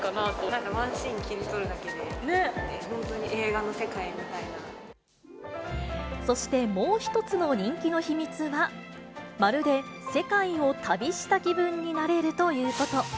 なんかワンシーン切り取るだそして、もう一つの人気の秘密は、まるで世界を旅した気分になれるということ。